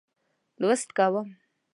لوست کوم.